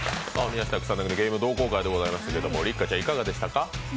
「宮下草薙のゲーム同好会」でございましたけれども、六花ちゃん、いかがでしたか？